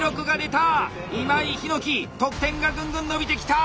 今井陽樹得点がぐんぐん伸びてきた！